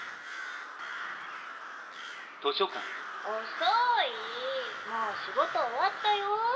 遅いもう仕事終わったよ。